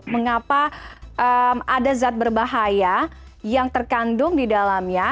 mengapa ada zat berbahaya yang terkandung di dalamnya